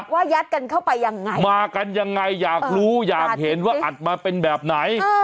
ว่ายัดกันเข้าไปยังไงมากันยังไงอยากรู้อยากเห็นว่าอัดมาเป็นแบบไหน